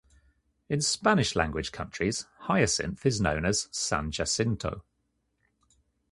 In Spanish-language countries, Hyacinth is known as "San Jacinto".